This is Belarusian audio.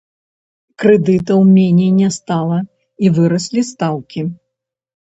Крэдытаў меней не стала і выраслі стаўкі!